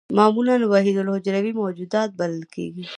معمولاً وحیدالحجروي موجودات بلل کېږي.